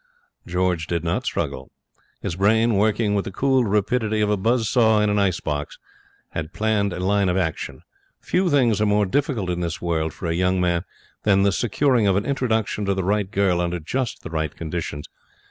George did not struggle. His brain, working with the cool rapidity of a buzz saw in an ice box, had planned a line of action. Few things are more difficult in this world for a young man than the securing of an introduction to the right girl under just the right conditions.